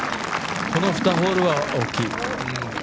この２ホールは大きい。